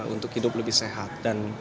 untuk hidup lebih sehat